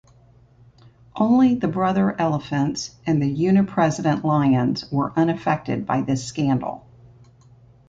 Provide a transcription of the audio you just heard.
Only the Brother Elephants and the Uni-President Lions were unaffected by this scandal.